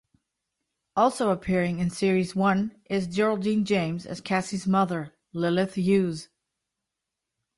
Also appearing in Series One is Geraldine James as Cassie's mother, Lilith Hughes.